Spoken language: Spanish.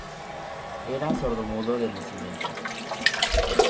Era sordomudo de nacimiento.